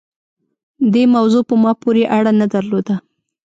دې موضوع په ما پورې اړه نه درلوده.